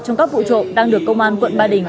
trong các vụ trộm đang được công an quận ba đình